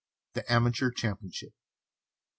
THE AMATEUR CHAMPIONSHIP. I.